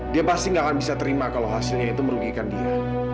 dia pasti gak akan bisa terima kalau hasilnya itu merugikan dia